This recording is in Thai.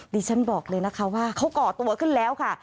ดิฉันบอกเลยนะคะว่าเขาก่อตัวขึ้นแล้วค่ะ